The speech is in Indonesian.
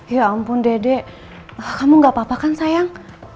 ya ampun dede kamu gak apa apa kan sayang